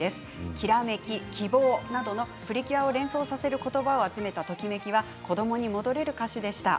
きらめき、希望などプリキュアを連想させる言葉を集めた「ときめき」子どもに戻れる歌詞でした。